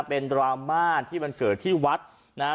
เป็นดราม่าที่มันเกิดที่วัดนะฮะ